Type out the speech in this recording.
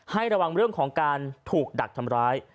ให้ระวังเรื่องของการถูกดักทำร้าย